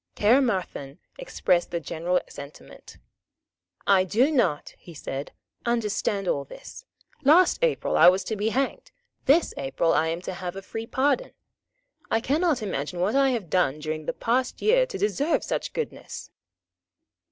Caermarthen expressed the general sentiment. "I do not," he said, "understand all this. Last April I was to be hanged. This April I am to have a free pardon. I cannot imagine what I have done during the past year to deserve such goodness."